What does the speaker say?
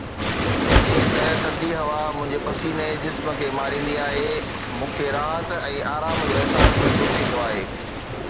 جيئن ته ٿڌي هوا منهنجي پسيني جسم کي ماريندي آهي، مون کي راحت ۽ آرام جو احساس محسوس ٿيندو آهي.